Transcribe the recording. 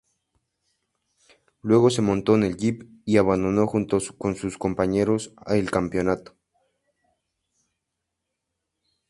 Luego se montó en el jeep y abandonó junto con sus compañeros el campamento.